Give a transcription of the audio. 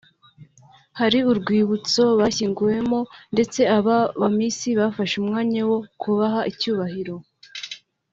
hari urwibutso bashyinguwemo ndetse aba ba miss bafashe umwanya wo kubaha icyubahiro